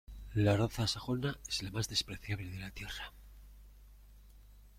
la raza sajona es la más despreciable de la tierra.